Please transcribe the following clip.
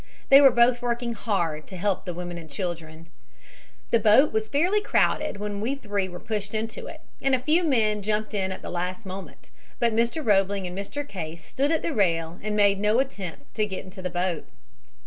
They were both working hard to help the women and children. The boat was fairly crowded when we three were pushed into it, and a few men jumped in at the last moment, but Mr. Roebling and Mr. Case stood at the rail and made no attempt to get into the boat.